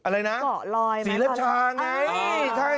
อะไรนะสีเล็บชาไง